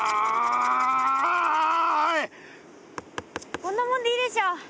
こんなもんでいいでしょ。